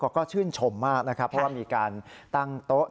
ก็ชื่นชมมากนะครับเพราะว่ามีการตั้งโต๊ะ